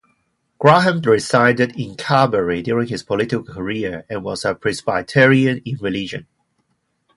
Graham resided in Carberry during his political career, and was a Presbyterian in religion.